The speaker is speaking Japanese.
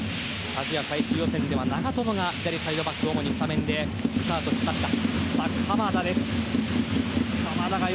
アジア最終予選では長友が左サイドバックで主にスタメンでスタートしていました。